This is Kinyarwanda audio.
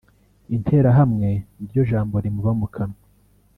Interahamwe niryo jambo rimuba mu kanwa